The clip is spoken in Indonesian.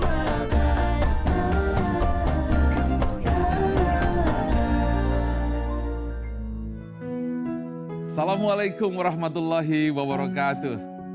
assalamualaikum warahmatullahi wabarakatuh